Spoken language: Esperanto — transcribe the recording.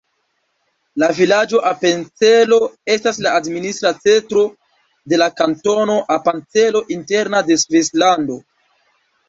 La vilaĝo Apencelo estas la administra centro de la Kantono Apencelo Interna de Svislando.